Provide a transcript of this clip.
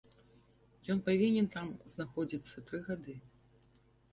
Ён павінен там знаходзіцца тры гады.